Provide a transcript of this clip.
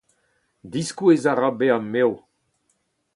Diskouez a ra bezañ mezv.